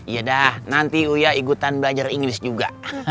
yaudah nanti uya ikutan belajar inggris juga